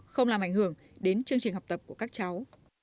không làm ảnh hưởng đến chương trình học tập của các cháu